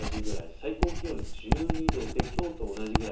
最高気温１２度できょうと同じくらい。